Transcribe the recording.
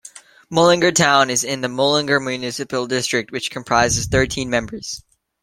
Mullingar town is in the Mullingar Municipal District which comprises thirteen members.